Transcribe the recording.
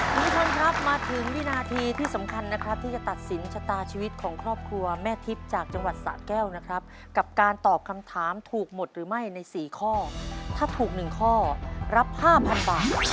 คุณผู้ชมครับมาถึงวินาทีที่สำคัญนะครับที่จะตัดสินชะตาชีวิตของครอบครัวแม่ทิพย์จากจังหวัดสะแก้วนะครับกับการตอบคำถามถูกหมดหรือไม่ใน๔ข้อถ้าถูกหนึ่งข้อรับ๕๐๐บาท